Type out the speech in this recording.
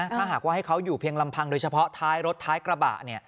ถ้าหากว่าให้เขาอยู่เพียงลำพังโดยเฉพาะท้ายรถท้ายกระบะ